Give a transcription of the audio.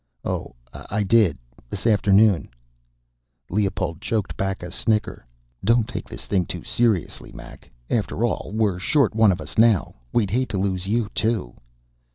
"Oh, I did. This afternoon." Leopold choked back a snicker. "Don't take this thing too seriously, Mac. After all, we're short one of us now. We'd hate to lose you, too."